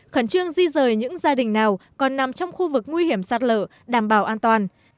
khẩn trương di rời những gia đình nào còn nằm trong khu vực nguy hiểm sạt lở đảm bảo an toàn